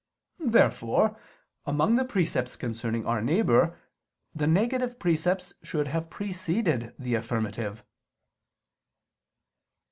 Therefore among the precepts concerning our neighbor, the negative precepts should have preceded the affirmative.